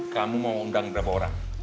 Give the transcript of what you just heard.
kamu mau undang berapa orang